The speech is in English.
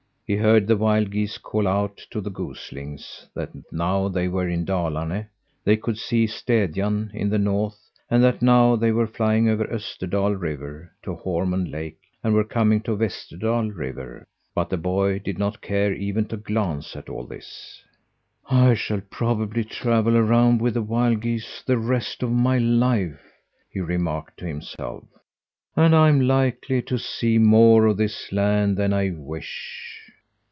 He heard the wild geese call out to the goslings that now they were in Dalarne, they could see Städjan in the north, and that now they were flying over Österdal River to Horrmund Lake and were coming to Vesterdal River. But the boy did not care even to glance at all this. "I shall probably travel around with wild geese the rest of my life," he remarked to himself, "and I am likely to see more of this land than I wish."